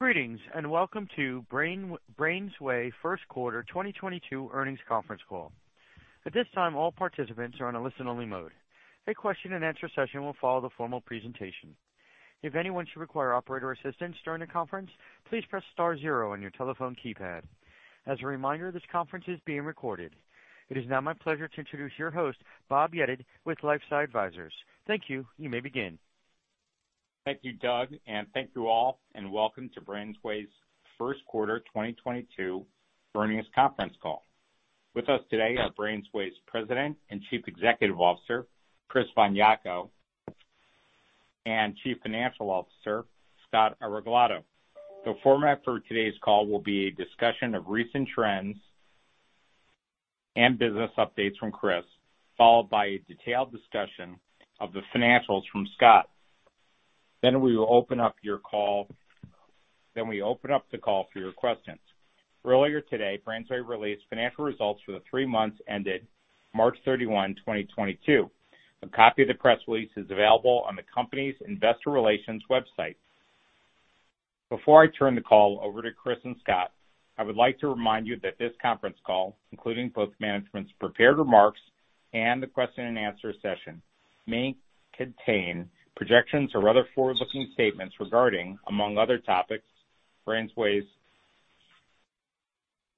Greetings, and welcome to BrainsWay First Quarter 2022 Earnings Conference Call. At this time, all participants are on a listen-only mode. A question and answer session will follow the formal presentation. If anyone should require operator assistance during the conference, please press star zero on your telephone keypad. As a reminder, this conference is being recorded. It is now my pleasure to introduce your host, Bob Yedid, with LifeSci Advisors. Thank you. You may begin. Thank you, Doug, and thank you all, and welcome to BrainsWay's first quarter 2022 earnings conference call. With us today are BrainsWay's President and Chief Executive Officer, Chris von Jako, and Chief Financial Officer, Scott Areglado. The format for today's call will be a discussion of recent trends and business updates from Chris, followed by a detailed discussion of the financials from Scott. We open up the call for your questions. Earlier today, BrainsWay released financial results for the three months ended March 31, 2022. A copy of the press release is available on the company's investor relations website. Before I turn the call over to Chris and Scott, I would like to remind you that this conference call, including both management's prepared remarks and the question and answer session, may contain projections or other forward-looking statements regarding, among other topics, BrainsWay's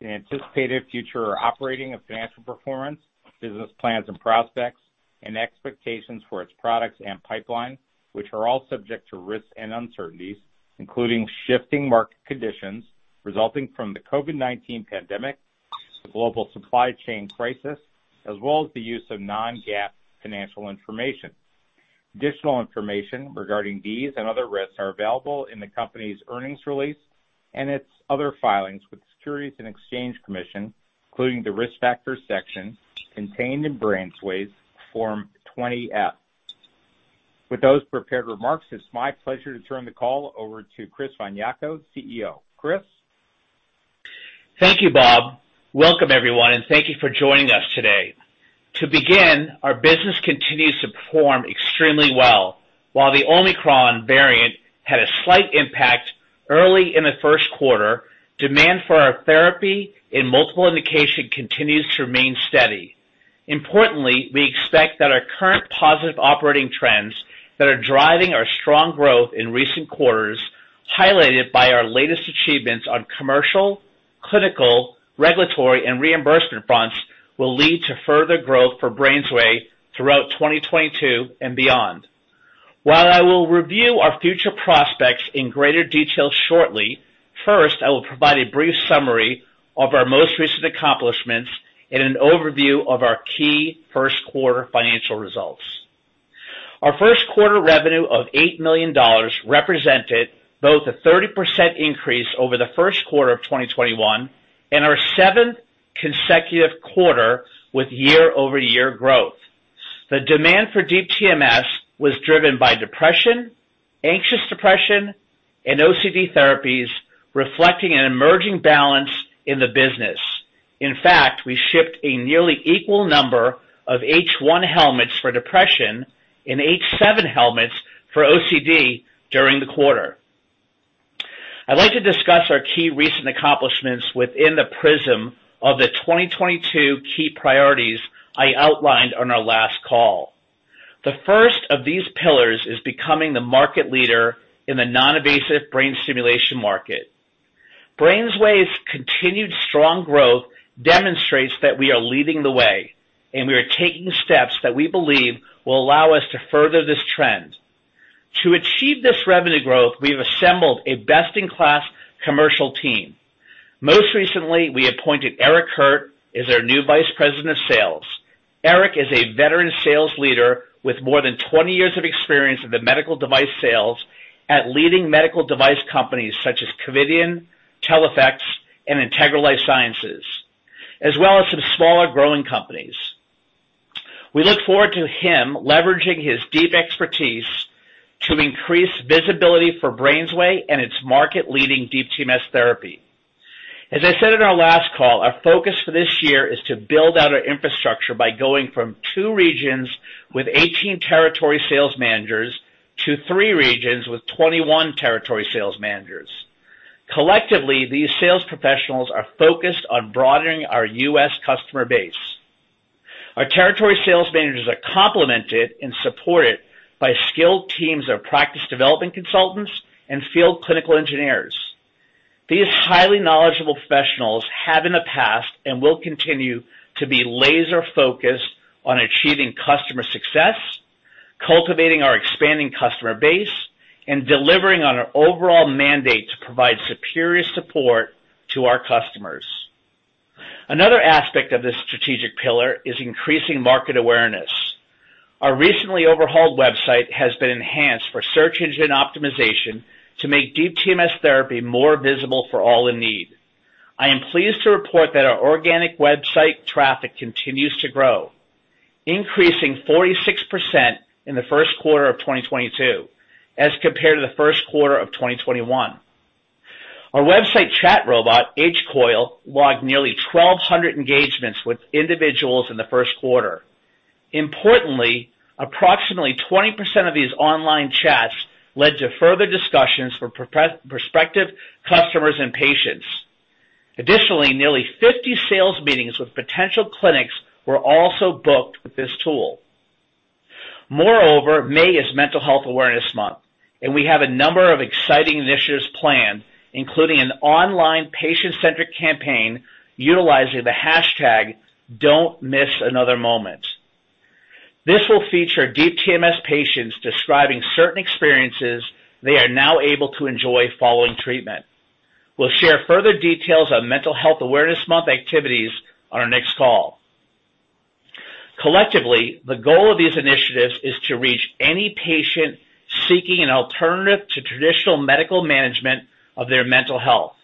anticipated future operating and financial performance, business plans and prospects, and expectations for its products and pipeline, which are all subject to risks and uncertainties, including shifting market conditions resulting from the COVID-19 pandemic, the global supply chain crisis, as well as the use of non-GAAP financial information. Additional information regarding these and other risks are available in the company's earnings release and its other filings with the Securities and Exchange Commission, including the Risk Factors section contained in BrainsWay's Form 20-F. With those prepared remarks, it's my pleasure to turn the call over to Chris von Jako, CEO. Chris? Thank you, Bob. Welcome, everyone, and thank you for joining us today. To begin, our business continues to perform extremely well. While the Omicron variant had a slight impact early in the first quarter, demand for our therapy in multiple indications continues to remain steady. Importantly, we expect that our current positive operating trends that are driving our strong growth in recent quarters, highlighted by our latest achievements on commercial, clinical, regulatory, and reimbursement fronts, will lead to further growth for BrainsWay throughout 2022 and beyond. While I will review our future prospects in greater detail shortly, first, I will provide a brief summary of our most recent accomplishments and an overview of our key first quarter financial results. Our first quarter revenue of $8 million represented both a 30% increase over the first quarter of 2021 and our seventh consecutive quarter with year-over-year growth. The demand for Deep TMS was driven by depression, anxious depression, and OCD therapies, reflecting an emerging balance in the business. In fact, we shipped a nearly equal number of H1 helmets for depression and H7 helmets for OCD during the quarter. I'd like to discuss our key recent accomplishments within the prism of the 2022 key priorities I outlined on our last call. The first of these pillars is becoming the market leader in the non-invasive brain stimulation market. BrainsWay's continued strong growth demonstrates that we are leading the way, and we are taking steps that we believe will allow us to further this trend. To achieve this revenue growth, we have assembled a best-in-class commercial team. Most recently, we appointed Eric Hirt as our new Vice President of Sales. Eric is a veteran sales leader with more than 20 years of experience in the medical device sales at leading medical device companies such as Covidien, Teleflex, and Integra LifeSciences, as well as some smaller growing companies. We look forward to him leveraging his deep expertise to increase visibility for BrainsWay and its market-leading Deep TMS therapy. As I said in our last call, our focus for this year is to build out our infrastructure by going from two regions with 18 territory sales managers to three regions with 21 territory sales managers. Collectively, these sales professionals are focused on broadening our U.S. customer base. Our territory sales managers are complemented and supported by skilled teams of practice development consultants and field clinical engineers. These highly knowledgeable professionals have in the past and will continue to be laser-focused on achieving customer success, cultivating our expanding customer base, and delivering on our overall mandate to provide superior support to our customers. Another aspect of this strategic pillar is increasing market awareness. Our recently overhauled website has been enhanced for search engine optimization to make Deep TMS therapy more visible for all in need. I am pleased to report that our organic website traffic continues to grow, increasing 46% in the first quarter of 2022 as compared to the first quarter of 2021. Our website chat robot, H-Coil, logged nearly 1,200 engagements with individuals in the first quarter. Importantly, approximately 20% of these online chats led to further discussions for prospective customers and patients. Additionally, nearly 50 sales meetings with potential clinics were also booked with this tool. Moreover, May is Mental Health Awareness Month, and we have a number of exciting initiatives planned, including an online patient-centric campaign utilizing the hashtag Don't Miss Another Moment. This will feature Deep TMS patients describing certain experiences they are now able to enjoy following treatment. We'll share further details on Mental Health Awareness Month activities on our next call. Collectively, the goal of these initiatives is to reach any patient seeking an alternative to traditional medical management of their mental health.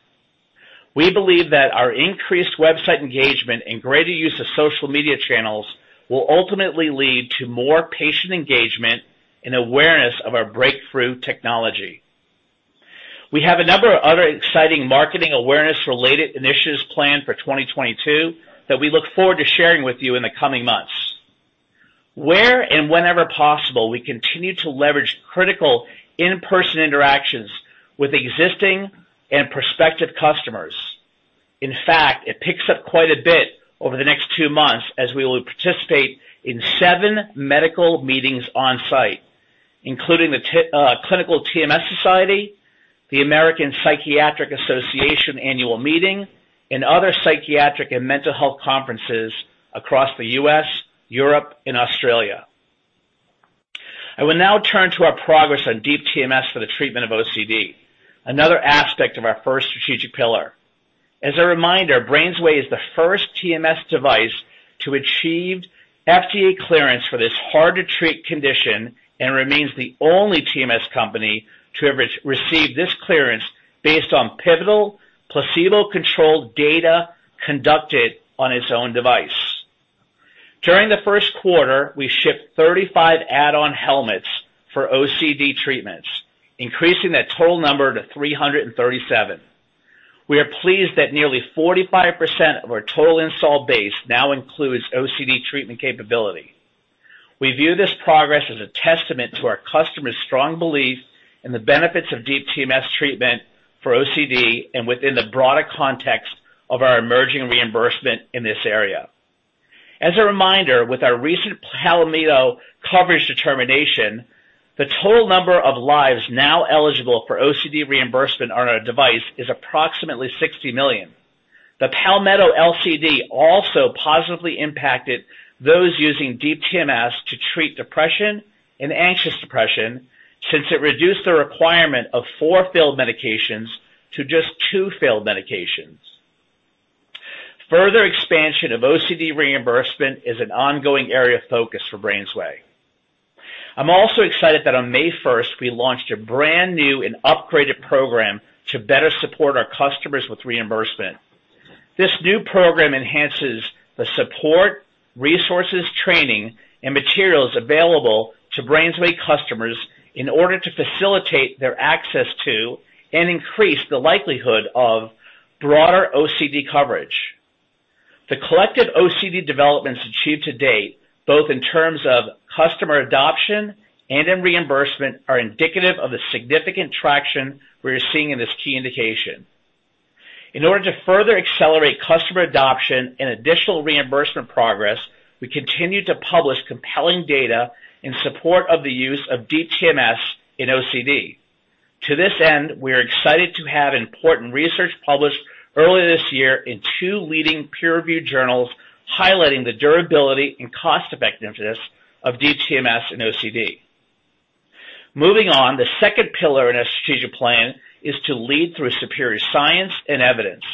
We believe that our increased website engagement and greater use of social media channels will ultimately lead to more patient engagement and awareness of our breakthrough technology. We have a number of other exciting marketing awareness-related initiatives planned for 2022 that we look forward to sharing with you in the coming months. Where and whenever possible, we continue to leverage critical in-person interactions with existing and prospective customers. In fact, it picks up quite a bit over the next two months as we will participate in seven medical meetings on-site, including the Clinical TMS Society, the American Psychiatric Association Annual Meeting, and other psychiatric and mental health conferences across the U.S., Europe and Australia. I will now turn to our progress on Deep TMS for the treatment of OCD, another aspect of our first strategic pillar. As a reminder, BrainsWay is the first TMS device to achieve FDA clearance for this hard-to-treat condition and remains the only TMS company to have received this clearance based on pivotal placebo-controlled data conducted on its own device. During the first quarter, we shipped 35 add-on helmets for OCD treatments, increasing that total number to 337. We are pleased that nearly 45% of our total install base now includes OCD treatment capability. We view this progress as a testament to our customers' strong belief in the benefits of Deep TMS treatment for OCD and within the broader context of our emerging reimbursement in this area. As a reminder, with our recent Palmetto coverage determination, the total number of lives now eligible for OCD reimbursement on our device is approximately 60 million. The Palmetto LCD also positively impacted those using Deep TMS to treat depression and anxious depression since it reduced the requirement of four failed medications to just two failed medications. Further expansion of OCD reimbursement is an ongoing area of focus for BrainsWay. I'm also excited that on May first, we launched a brand new and upgraded program to better support our customers with reimbursement. This new program enhances the support, resources, training, and materials available to BrainsWay customers in order to facilitate their access to and increase the likelihood of broader OCD coverage. The collective OCD developments achieved to date, both in terms of customer adoption and in reimbursement, are indicative of the significant traction we are seeing in this key indication. In order to further accelerate customer adoption and additional reimbursement progress, we continue to publish compelling data in support of the use of Deep TMS in OCD. To this end, we are excited to have important research published earlier this year in two leading peer-reviewed journals highlighting the durability and cost-effectiveness of Deep TMS in OCD. Moving on, the second pillar in our strategic plan is to lead through superior science and evidence.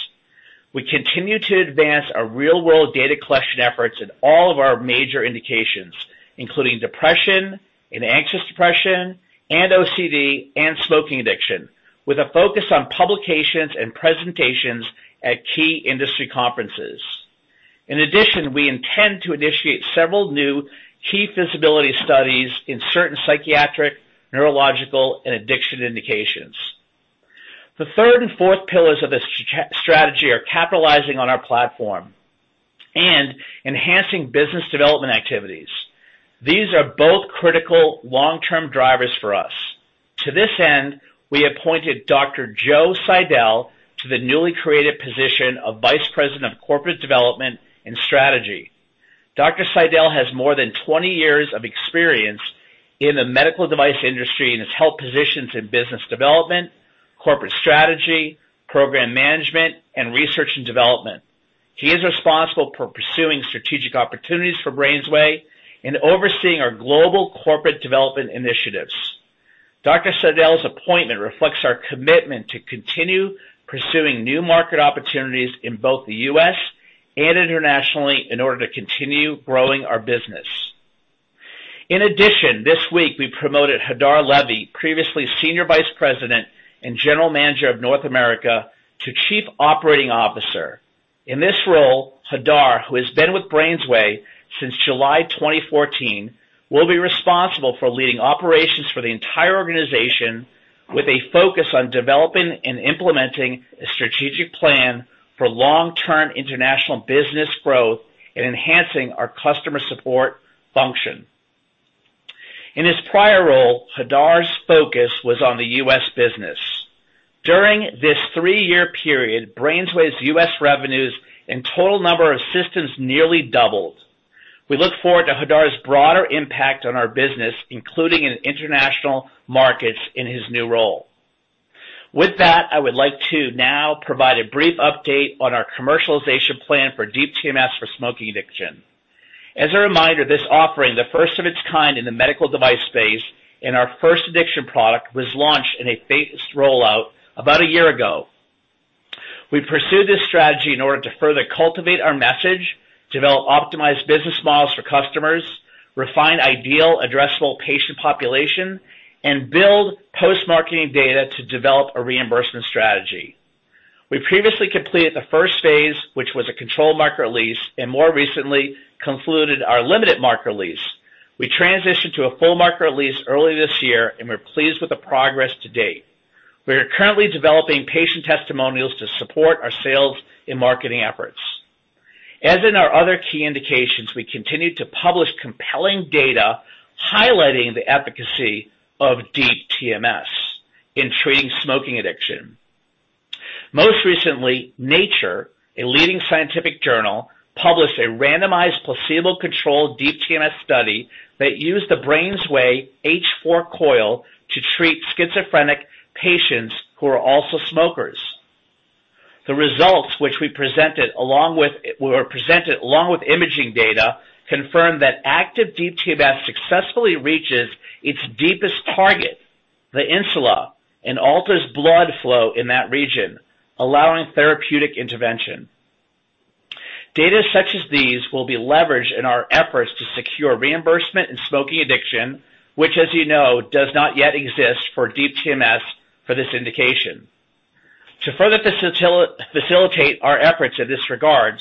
We continue to advance our real-world data collection efforts in all of our major indications, including depression and anxious depression, and OCD, and smoking addiction, with a focus on publications and presentations at key industry conferences. In addition, we intend to initiate several new key visibility studies in certain psychiatric, neurological, and addiction indications. The third and fourth pillars of this strategy are capitalizing on our platform and enhancing business development activities. These are both critical long-term drivers for us. To this end, we appointed Dr. Joe Seidel to the newly created position of Vice President of Corporate Development and Strategy. Dr. Seidel has more than 20 years of experience in the medical device industry and has held positions in business development, corporate strategy, program management, and research and development. He is responsible for pursuing strategic opportunities for BrainsWay and overseeing our global corporate development initiatives. Dr. Seidel's appointment reflects our commitment to continue pursuing new market opportunities in both the U.S. and internationally in order to continue growing our business. In addition, this week we promoted Hadar Levy, previously Senior Vice President and General Manager of North America, to Chief Operating Officer. In this role, Hadar, who has been with BrainsWay since July 2014, will be responsible for leading operations for the entire organization with a focus on developing and implementing a strategic plan for long-term international business growth and enhancing our customer support function. In his prior role, Hadar's focus was on the U.S. business. During this three-year period, BrainsWay's U.S. revenues and total number of systems nearly doubled. We look forward to Hadar's broader impact on our business, including in international markets in his new role. With that, I would like to now provide a brief update on our commercialization plan for Deep TMS for smoking addiction. As a reminder, this offering, the first of its kind in the medical device space and our first addiction product, was launched in a phased rollout about a year ago. We pursued this strategy in order to further cultivate our message, develop optimized business models for customers, refine ideal addressable patient population, and build post-marketing data to develop a reimbursement strategy. We previously completed the first phase, which was a controlled market release, and more recently concluded our limited market release. We transitioned to a full market release early this year, and we're pleased with the progress to date. We are currently developing patient testimonials to support our sales and marketing efforts. As in our other key indications, we continue to publish compelling data highlighting the efficacy of Deep TMS in treating smoking addiction. Most recently, Nature, a leading scientific journal, published a randomized placebo-controlled Deep TMS study that used the BrainsWay H4 coil to treat schizophrenic patients who are also smokers. The results, which were presented along with imaging data, confirmed that active Deep TMS successfully reaches its deepest target, the insula, and alters blood flow in that region, allowing therapeutic intervention. Data such as these will be leveraged in our efforts to secure reimbursement in smoking addiction, which, as you know, does not yet exist for Deep TMS for this indication. To further facilitate our efforts in this regard,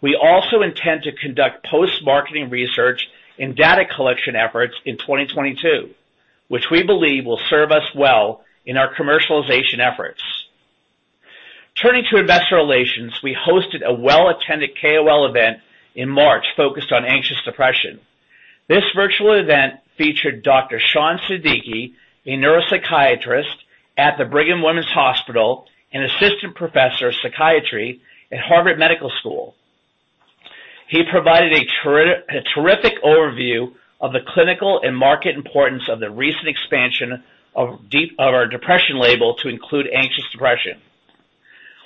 we also intend to conduct post-marketing research and data collection efforts in 2022, which we believe will serve us well in our commercialization efforts. Turning to investor relations, we hosted a well-attended KOL event in March focused on anxious depression. This virtual event featured Dr. Shan Siddiqi, a neuropsychiatrist at the Brigham and Women's Hospital and Assistant Professor of Psychiatry at Harvard Medical School. He provided a terrific overview of the clinical and market importance of the recent expansion of our depression label to include anxious depression.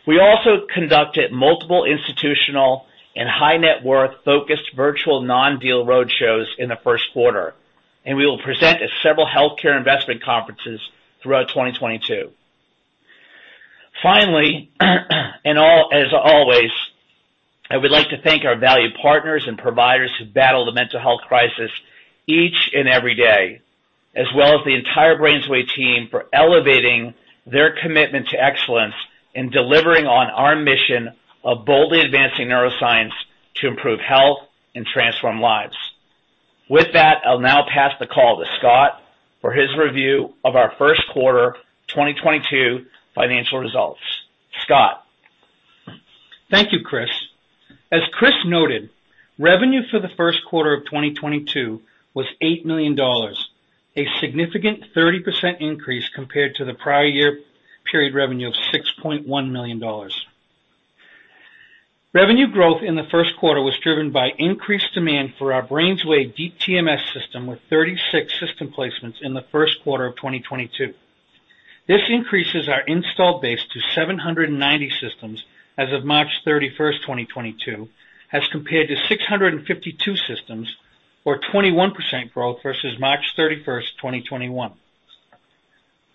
We also conducted multiple institutional and high net worth-focused virtual non-deal roadshows in the first quarter, and we will present at several healthcare investment conferences throughout 2022. Finally, as always, I would like to thank our valued partners and providers who battle the mental health crisis each and every day, as well as the entire BrainsWay team for elevating their commitment to excellence and delivering on our mission of boldly advancing neuroscience to improve health and transform lives. With that, I'll now pass the call to Scott for his review of our first quarter 2022 financial results. Scott. Thank you, Chris. As Chris noted, revenue for the first quarter of 2022 was $8 million, a significant 30% increase compared to the prior year period revenue of $6.1 million. Revenue growth in the first quarter was driven by increased demand for our BrainsWay Deep TMS system with 36 system placements in the first quarter of 2022. This increases our installed base to 790 systems as of March 31st, 2022, as compared to 652 systems, or 21% growth versus March 31st, 2021.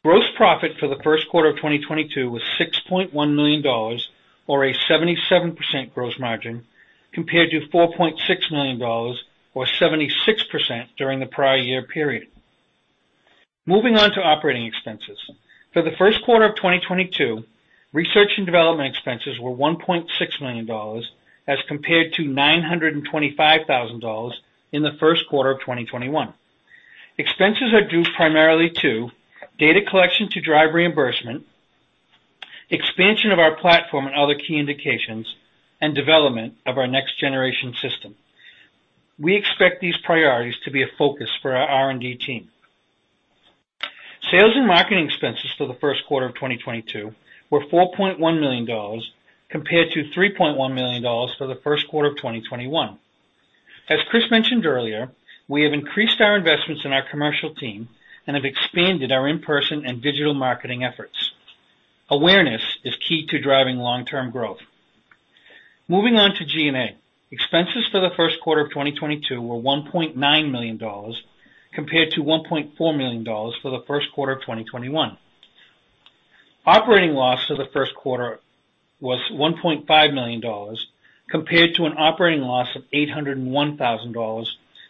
Gross profit for the first quarter of 2022 was $6.1 million or a 77% gross margin, compared to $4.6 million or 76% during the prior year period. Moving on to operating expenses. For the first quarter of 2022, research and development expenses were $1.6 million as compared to $925,000 in the first quarter of 2021. Expenses are due primarily to data collection to drive reimbursement, expansion of our platform and other key indications, and development of our next generation system. We expect these priorities to be a focus for our R&D team. Sales and marketing expenses for the first quarter of 2022 were $4.1 million compared to $3.1 million for the first quarter of 2021. As Chris mentioned earlier, we have increased our investments in our commercial team and have expanded our in-person and digital marketing efforts. Awareness is key to driving long-term growth. Moving on to G&A. Expenses for the first quarter of 2022 were $1.9 million compared to $1.4 million for the first quarter of 2021. Operating loss for the first quarter was $1.5 million compared to an operating loss of $801,000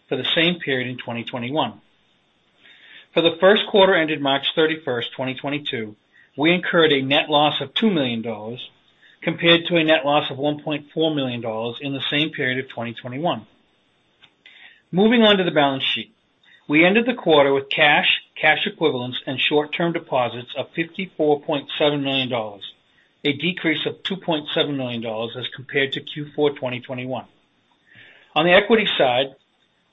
for the same period in 2021. For the first quarter ended March 31st, 2022, we incurred a net loss of $2 million compared to a net loss of $1.4 million in the same period of 2021. Moving on to the balance sheet. We ended the quarter with cash equivalents, and short-term deposits of $54.7 million, a decrease of $2.7 million as compared to Q4 2021. On the equity side,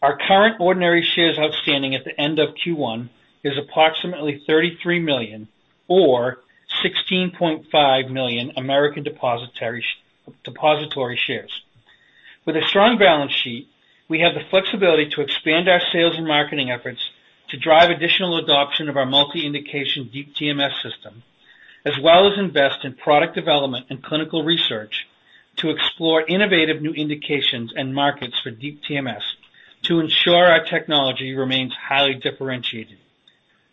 our current ordinary shares outstanding at the end of Q1 is approximately 33 million or 16.5 million American depositary shares. With a strong balance sheet, we have the flexibility to expand our sales and marketing efforts to drive additional adoption of our multi-indication Deep TMS system, as well as invest in product development and clinical research to explore innovative new indications and markets for Deep TMS to ensure our technology remains highly differentiated.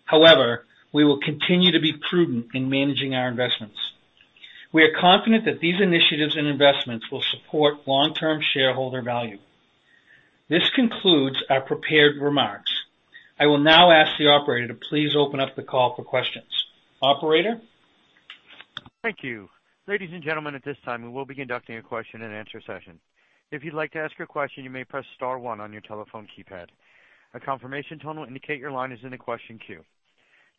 However, we will continue to be prudent in managing our investments. We are confident that these initiatives and investments will support long-term shareholder value. This concludes our prepared remarks. I will now ask the operator to please open up the call for questions. Operator? Thank you. Ladies and gentlemen, at this time, we will be conducting a question and answer session. If you'd like to ask your question, you may press star one on your telephone keypad. A confirmation tone will indicate your line is in the question queue.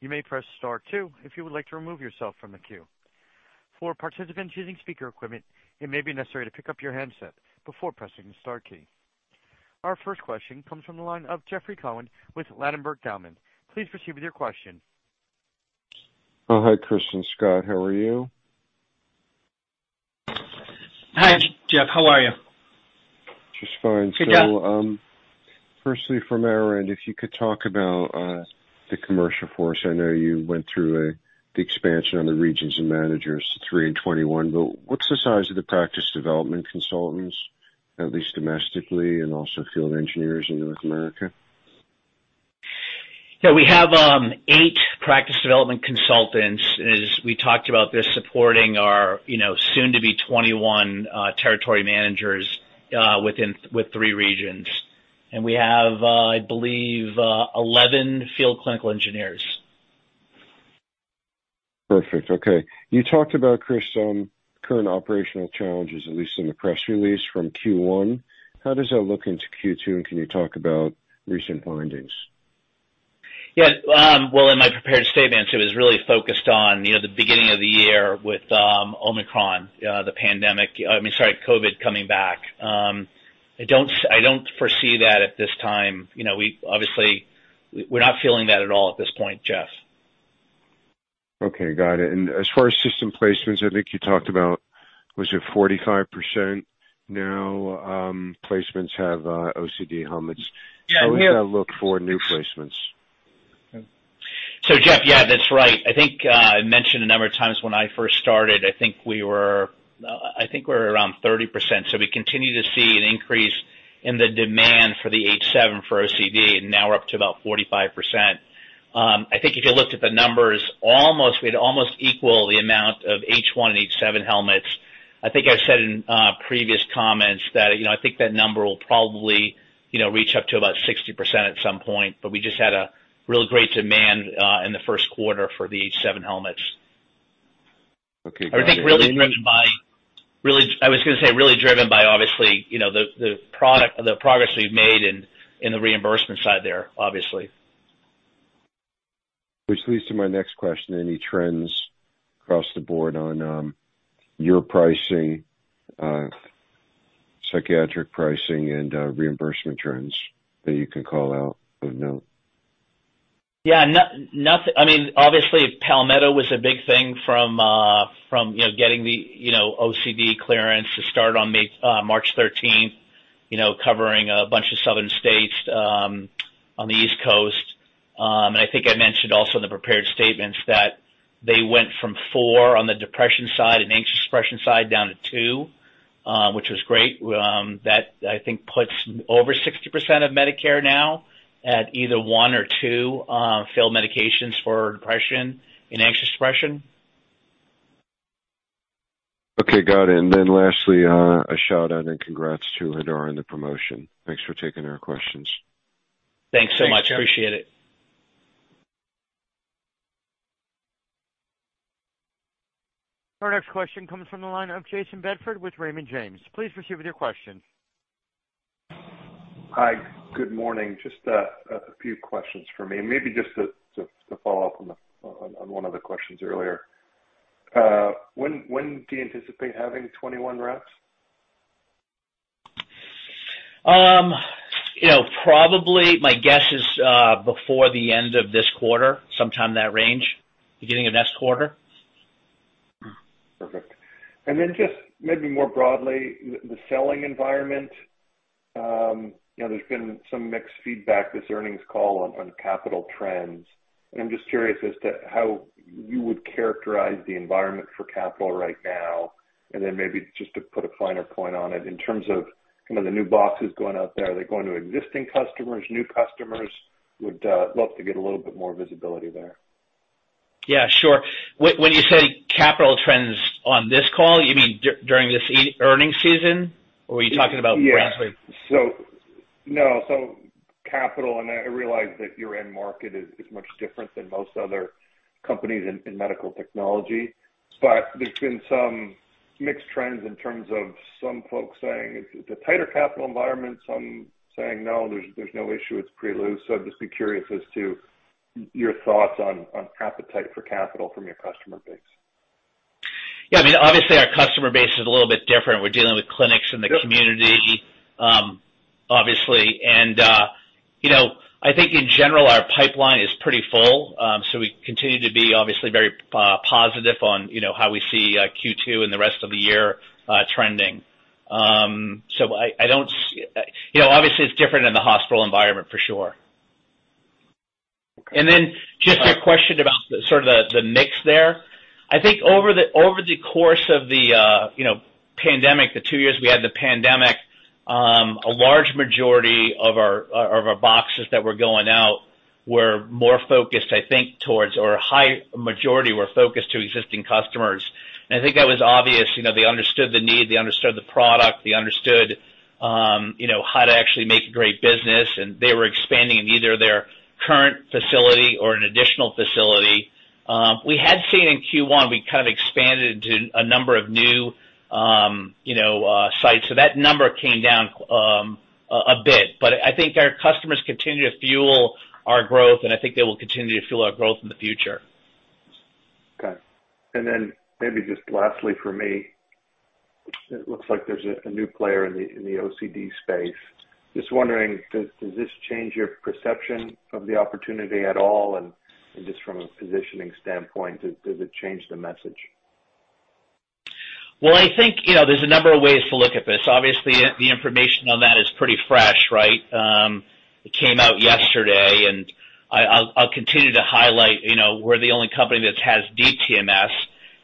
You may press star two if you would like to remove yourself from the queue. For participants using speaker equipment, it may be necessary to pick up your handset before pressing the star key. Our first question comes from the line of Jeffrey Cohen with Ladenburg Thalmann. Please proceed with your question. Oh, hi, Chris and Scott. How are you? Hi, Jeff. How are you? Just fine. Good. Firstly, from our end, if you could talk about the commercial force. I know you went through the expansion on the regions and managers to three and 21, but what's the size of the practice development consultants, at least domestically, and also field engineers in North America? Yeah, we have eight practice development consultants, as we talked about this, supporting our, you know, soon to be 21 territory managers with three regions. We have, I believe, 11 field clinical engineers. Perfect. Okay. You talked about, Chris, some current operational challenges, at least in the press release from Q1. How does that look into Q2, and can you talk about recent findings? Yeah. Well, in my prepared statements, it was really focused on, you know, the beginning of the year with Omicron, the pandemic. I mean, sorry, COVID coming back. I don't foresee that at this time. You know, we obviously, we're not feeling that at all at this point, Jeff. Okay, got it. As far as system placements, I think you talked about, was it 45% now, placements have OCD helmets. Yeah, we have. How does that look for new placements? Jeff, yeah, that's right. I think I mentioned a number of times when I first started. I think we were around 30%. We continue to see an increase in the demand for the H7 for OCD, and now we're up to about 45%. I think if you looked at the numbers, we'd almost equal the amount of H1 and H7 helmets. I think I said in previous comments that, you know, I think that number will probably, you know, reach up to about 60% at some point. We just had a real great demand in the first quarter for the H7 helmets. Okay. Got it. I think really driven by, obviously, you know, the product, the progress we've made in the reimbursement side there, obviously. Which leads to my next question. Any trends across the board on your pricing, psychiatric pricing and reimbursement trends that you can call out of note? Yeah. Nothing. I mean, obviously Palmetto was a big thing from, you know, getting the, you know, OCD clearance to start on March 13th, you know, covering a bunch of southern states, on the East Coast. I think I mentioned also in the prepared statements that they went from four on the depression side and anxious depression side down to two, which was great. That I think puts over 60% of Medicare now at either one or two, failed medications for depression and anxious depression. Okay, got it. Lastly, a shout-out and congrats to Hadar on the promotion. Thanks for taking our questions. Thanks so much. Appreciate it. Our next question comes from the line of Jayson Bedford with Raymond James. Please proceed with your question. Hi. Good morning. Just a few questions for me. Maybe just to follow up on one of the questions earlier. When do you anticipate having 21 reps? You know, probably my guess is, before the end of this quarter, sometime that range, beginning of next quarter. Perfect. Just maybe more broadly, the selling environment. You know, there's been some mixed feedback this earnings call on capital trends. I'm just curious as to how you would characterize the environment for capital right now. Maybe just to put a finer point on it, in terms of kind of the new boxes going out there, are they going to existing customers, new customers? Would love to get a little bit more visibility there. Yeah, sure. When you say capital trends on this call, you mean during this earnings season, or were you talking about broadly? Yeah. No. Capital and I realize that your end market is much different than most other companies in medical technology. There's been some mixed trends in terms of some folks saying it's a tighter capital environment, some saying, "No, there's no issue, it's pretty loose." I'd just be curious as to your thoughts on appetite for capital from your customer base. Yeah. I mean, obviously our customer base is a little bit different. We're dealing with clinics in the community. Yep. Obviously. You know, I think in general, our pipeline is pretty full. We continue to be obviously very positive on, you know, how we see Q2 and the rest of the year trending. You know, obviously it's different in the hospital environment for sure. Okay. Then just your question about the sort of the mix there. I think over the course of the pandemic, the two years we had the pandemic, a large majority of our boxes that were going out were more focused, I think, or a high majority were focused to existing customers. I think that was obvious. They understood the need, they understood the product, they understood how to actually make great business, and they were expanding in either their current facility or an additional facility. We had seen in Q1 we kind of expanded into a number of new sites. That number came down a bit. I think our customers continue to fuel our growth, and I think they will continue to fuel our growth in the future. Okay. Maybe just lastly for me, it looks like there's a new player in the OCD space. Just wondering, does this change your perception of the opportunity at all? Just from a positioning standpoint, does it change the message? Well, I think, you know, there's a number of ways to look at this. Obviously, the information on that is pretty fresh, right? It came out yesterday, and I'll continue to highlight, you know, we're the only company that has Deep TMS,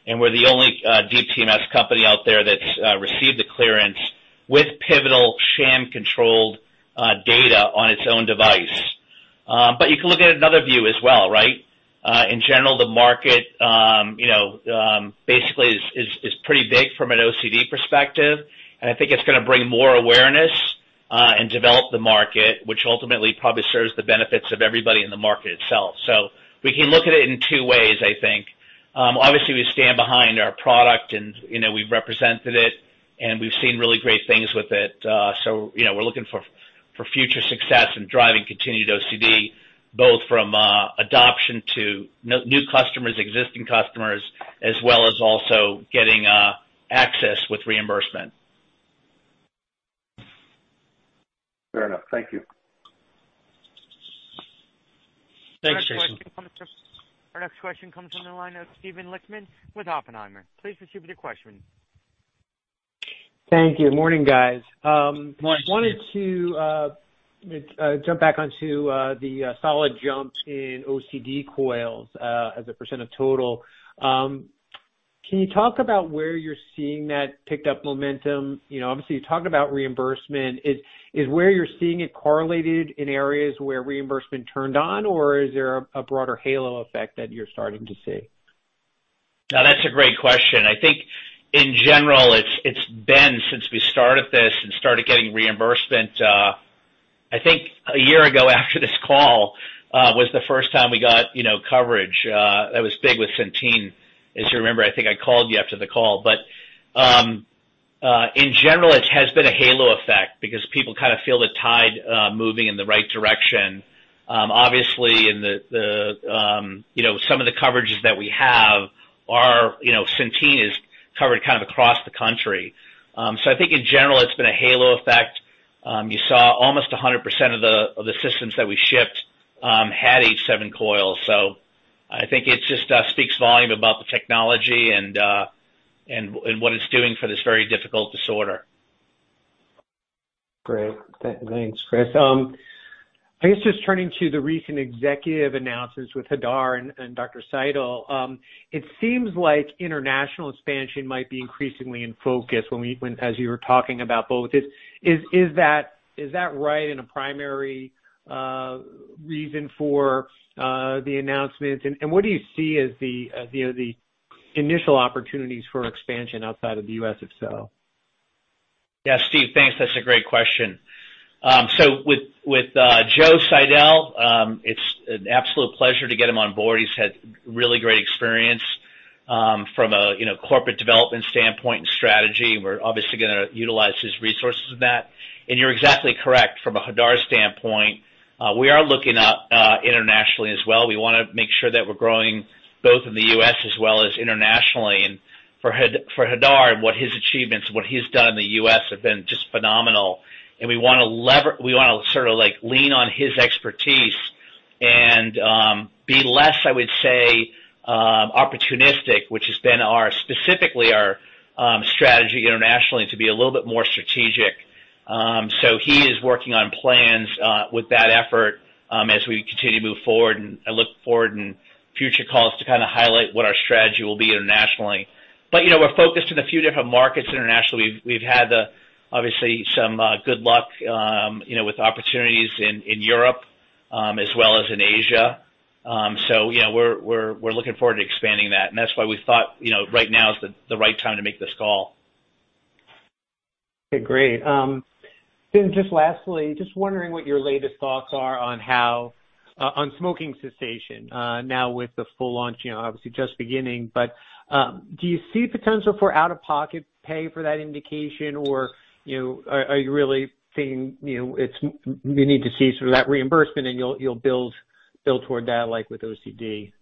and we're the only Deep TMS company out there that's received the clearance with pivotal sham controlled data on its own device. But you can look at another view as well, right? In general, the market, you know, basically is pretty big from an OCD perspective, and I think it's gonna bring more awareness and develop the market, which ultimately probably serves the benefits of everybody in the market itself. We can look at it in two ways I think. Obviously we stand behind our product and, you know, we've represented it, and we've seen really great things with it. You know, we're looking for future success and driving continued OCD, both from adoption to new customers, existing customers, as well as also getting access with reimbursement. Fair enough. Thank you. Thanks, Jason. Our next question comes from the line of Steven Lichtman with Oppenheimer. Please proceed with your question. Thank you. Morning, guys. Morning, Steven. Wanted to jump back onto the solid jump in OCD coils as a percent of total. Can you talk about where you're seeing that picked up momentum? You know, obviously you talked about reimbursement. Is where you're seeing it correlated in areas where reimbursement turned on, or is there a broader halo effect that you're starting to see? No, that's a great question. I think in general, it's been since we started this and started getting reimbursement. I think a year ago after this call was the first time we got, you know, coverage that was big with Centene. As you remember, I think I called you after the call. In general, it has been a halo effect because people kinda feel the tide moving in the right direction. Obviously, you know, some of the coverages that we have are, you know, Centene is covered kind of across the country. So I think in general it's been a halo effect. You saw almost 100% of the systems that we shipped had H7 coils. I think it just speaks volume about the technology and what it's doing for this very difficult disorder. Great. Thanks, Chris. I guess just turning to the recent executive announcements with Hadar and Dr. Seidel, it seems like international expansion might be increasingly in focus as you were talking about both. Is that right as a primary reason for the announcements? What do you see as the initial opportunities for expansion outside of the U.S. if so? Yeah. Steve, thanks. That's a great question. With Joe Seidel, it's an absolute pleasure to get him on board. He's had really great experience from a, you know, corporate development standpoint and strategy, and we're obviously gonna utilize his resources in that. You're exactly correct. From a Hadar standpoint, we are looking out internationally as well. We wanna make sure that we're growing both in the U.S. as well as internationally. For Hadar and what his achievements, what he's done in the U.S. have been just phenomenal. We wanna sort of like lean on his expertise and be less, I would say, opportunistic, which has been our specifically strategy internationally to be a little bit more strategic. He is working on plans with that effort as we continue to move forward. I look forward in future calls to kinda highlight what our strategy will be internationally. You know, we're focused in a few different markets internationally. We've had obviously some good luck you know with opportunities in Europe as well as in Asia. Yeah, we're looking forward to expanding that, and that's why we thought you know right now is the right time to make this call. Okay, great. Then just lastly, just wondering what your latest thoughts are on smoking cessation, now with the full launch, you know, obviously just beginning. Do you see potential for out-of-pocket pay for that indication or, you know, are you really seeing, you know, you need to see some of that reimbursement and you'll build toward that, like with OCD?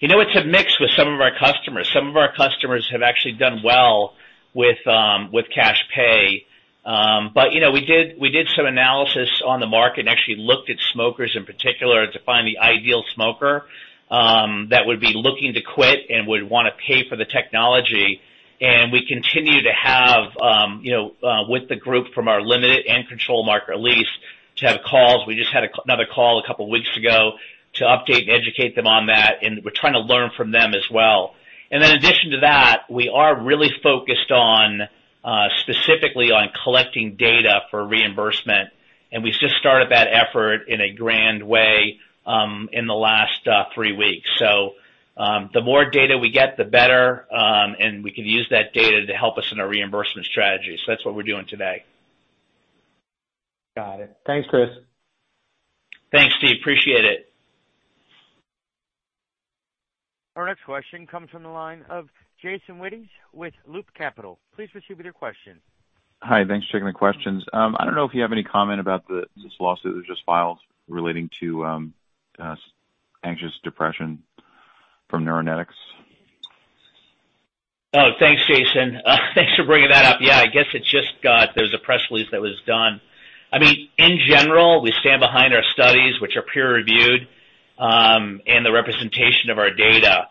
You know, it's a mix with some of our customers. Some of our customers have actually done well with cash pay. But you know, we did some analysis on the market and actually looked at smokers in particular to find the ideal smoker that would be looking to quit and would wanna pay for the technology. We continue to have with the group from our limited and controlled market release to have calls. We just had another call a couple weeks ago to update and educate them on that, and we're trying to learn from them as well. In addition to that, we are really focused on specifically on collecting data for reimbursement. We've just started that effort in a grand way in the last three weeks. The more data we get, the better, and we can use that data to help us in our reimbursement strategy. That's what we're doing today. Got it. Thanks, Chris. Thanks, Steve. Appreciate it. Our next question comes from the line of Jason Wittes with Loop Capital. Please proceed with your question. Hi. Thanks for taking the questions. I don't know if you have any comment about this lawsuit that was just filed relating to anxious depression from Neuronetics. Oh, thanks, Jason. Thanks for bringing that up. Yeah, I guess there's a press release that was done. I mean, in general, we stand behind our studies, which are peer-reviewed, and the representation of our data.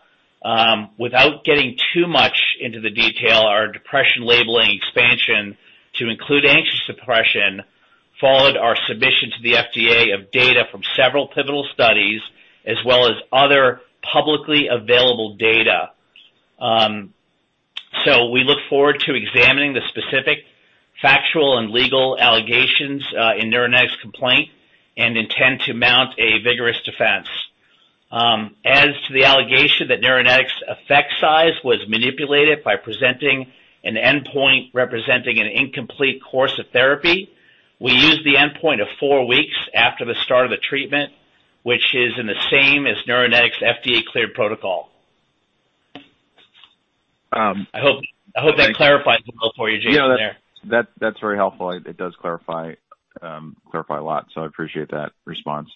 Without getting too much into the detail, our depression labeling expansion to include anxious depression followed our submission to the FDA of data from several pivotal studies, as well as other publicly available data. We look forward to examining the specific factual and legal allegations in Neuronetics' complaint and intend to mount a vigorous defense. As to the allegation that Neuronetics' effect size was manipulated by presenting an endpoint representing an incomplete course of therapy, we used the endpoint of four weeks after the start of the treatment, which is the same as Neuronetics' FDA-cleared protocol. Um. I hope that clarifies it well for you, Jason, there. Yeah, that's very helpful. It does clarify a lot, so I appreciate that response.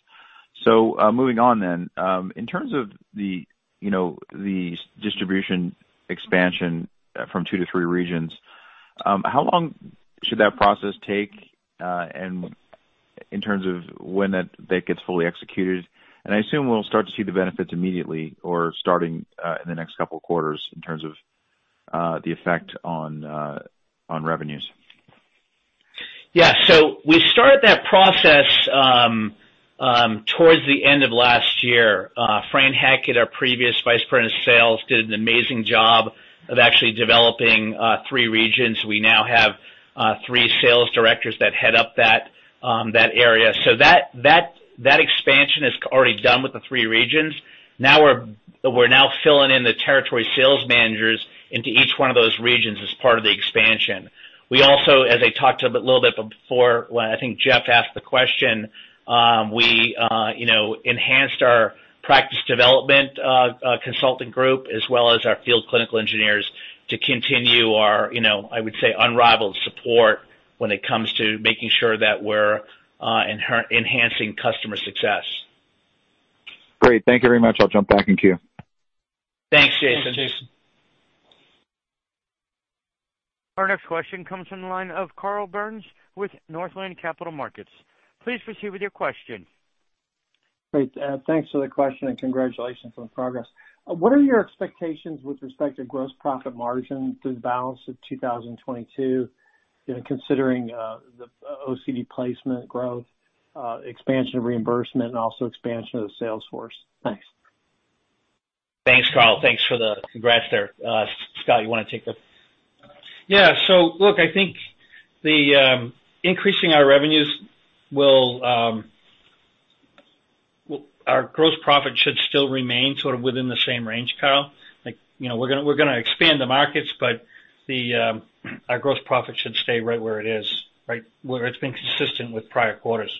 Moving on then. In terms of the, you know, the sales distribution expansion from two to three regions, how long should that process take, and in terms of when that gets fully executed? I assume we'll start to see the benefits immediately or starting in the next couple of quarters in terms of the effect on revenues. Yeah. We started that process towards the end of last year. Fran Hackett, our previous Vice President of Sales, did an amazing job of actually developing three regions. We now have three sales directors that head up that area. That expansion is already done with the three regions. Now we're now filling in the territory sales managers into each one of those regions as part of the expansion. We also, as I talked a bit before, when I think Jeff asked the question, we, you know, enhanced our practice development consultant group as well as our field clinical engineers to continue our, you know, I would say, unrivaled support when it comes to making sure that we're enhancing customer success. Great. Thank you very much. I'll jump back in queue. Thanks, Jason. Thanks, Jason. Our next question comes from the line of Carl Byrnes with Northland Capital Markets. Please proceed with your question. Great. Thanks for the question, and congratulations on the progress. What are your expectations with respect to gross profit margin through the balance of 2022, you know, considering the OCD placement growth, expansion of reimbursement, and also expansion of the sales force? Thanks. Thanks, Carl. Thanks for the congrats there. Scott, you wanna take this? Yeah. Look, I think the increasing our revenues will our gross profit should still remain sort of within the same range, Carl. Like, you know, we're gonna expand the markets, but the our gross profit should stay right where it is, right? Where it's been consistent with prior quarters.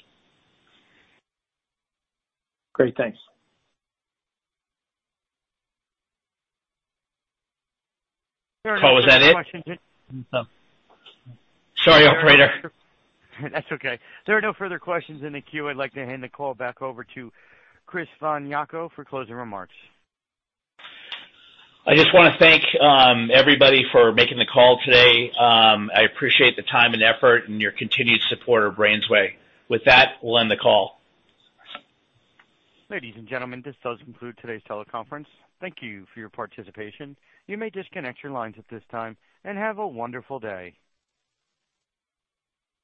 Great. Thanks. Doug, was that it? Sorry, operator. That's okay. There are no further questions in the queue. I'd like to hand the call back over to Chris von Jako for closing remarks. I just wanna thank everybody for making the call today. I appreciate the time and effort and your continued support of BrainsWay. With that, we'll end the call. Ladies and gentlemen, this does conclude today's teleconference. Thank you for your participation. You may disconnect your lines at this time, and have a wonderful day.